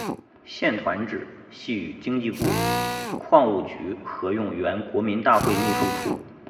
现团址系与经济部矿务局合用原国民大会秘书处。